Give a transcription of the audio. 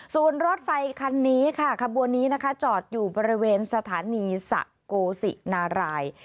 ส่วนรถไฟคันนี้ค่ะขบวนนี้นะคะจอดอยู่บริเวณสถานีสะโกศินาราย